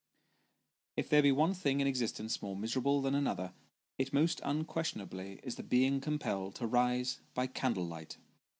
If there be one thing in existence more miserable than another, it most unquestionably is the being compelled to rise by candle light.